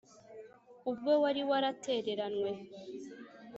ubwo wari waratereranywe,